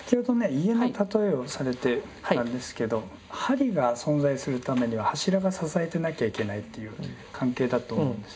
家の例えをされていたんですけど梁が存在するためには柱が支えてなきゃいけないという関係だと思うんです。